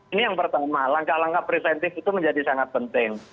ini yang pertama langkah langkah preventif itu menjadi sangat penting